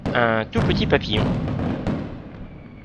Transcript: Un tout petit petit papillon.